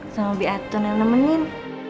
sama bi atun yang nemenin